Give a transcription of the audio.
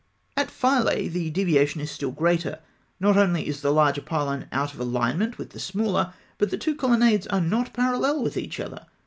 At Philae (fig. 87) the deviation is still greater. Not only is the larger pylon out of alignment with the smaller, but the two colonnades are not parallel with each other.